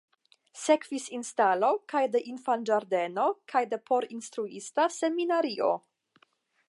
Sekvis instalo kaj de infanĝardeno kaj de porinstruista seminario.